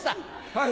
はい。